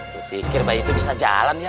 kupikir bayi itu bisa jalan ya